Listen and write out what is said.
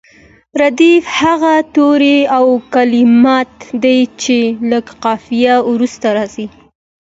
ردیف هغه توري او کلمات دي چې له قافیې وروسته راځي.